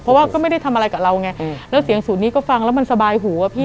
เพราะว่าก็ไม่ได้ทำอะไรกับเราไงแล้วเสียงศูนย์นี้ก็ฟังแล้วมันสบายหูอะพี่